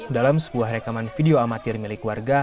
dalam sebuah rekaman video amatir milik warga